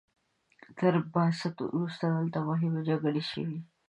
تر بعثت وروسته دلته مهمې جګړې شوي.